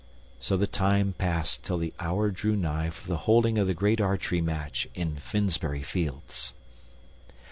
So the time passed till the hour drew nigh for the holding of the great archery match in Finsbury Fields.